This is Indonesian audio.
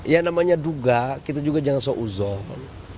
ya namanya duga kita juga jangan seuzon